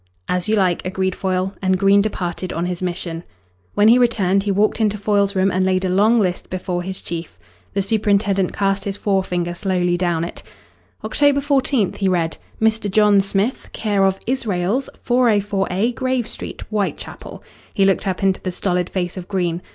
"As you like," agreed Foyle, and Green departed on his mission. When he returned, he walked into Foyle's room and laid a long list before his chief. The superintendent cast his forefinger slowly down it. "October 14," he read, "Mr. John Smith, c/o Israels, 404A Grave Street, Whitechapel." He looked up into the stolid face of Green.